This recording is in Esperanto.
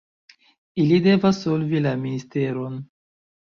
Ili devas solvi la misteron.